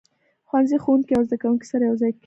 ښوونځی ښوونکي او زده کوونکي سره یو ځای کوي.